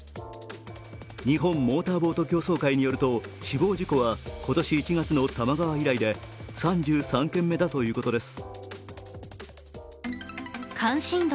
日本モーターボート競走会によると死亡事故は今年１月の多摩川以来で３３件目だということです。